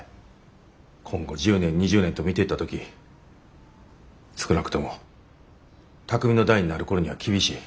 今後１０年２０年と見ていった時少なくとも巧海の代になる頃には厳しい。